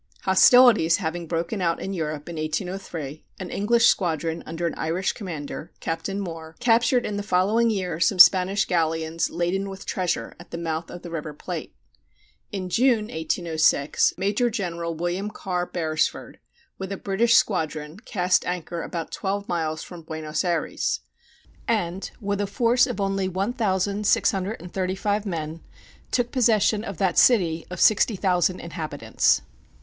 Hostilities having broken out in Europe in 1803, an English squadron under an Irish commander, Captain Moore, captured in the following year some Spanish galleons laden with treasure at the mouth of the River Plate. In June, 1806, Major General William Carr Beresford with a British squadron cast anchor about twelve miles from Buenos Ayres, and with a force of only 1635 men took possession of that city of 60,000 inhabitants.